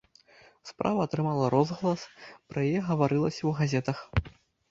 Справа атрымала розгалас, пра яе гаварылася ў газетах.